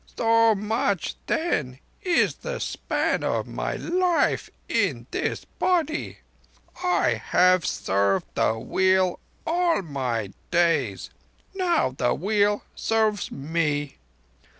"So much, then, is the span of my life in this body. I have served the Wheel all my days. Now the Wheel serves me.